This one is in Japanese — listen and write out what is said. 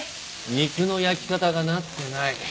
肉の焼き方がなってない。